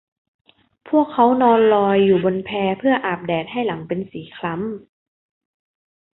พวกเค้านอนลอยอยู่บนแพเพื่ออาบแดดให้หลังเป็นสีคล้ำ